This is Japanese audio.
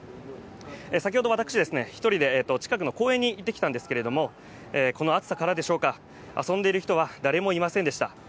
先ほど私、１人で近くの公園に行ってきたんですけれどもこの暑さからでしょうか、遊んでいる人は誰もいませんでした。